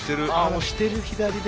押してる左で。